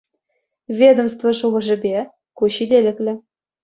Ведомство шухӑшӗпе, ку ҫителӗклӗ.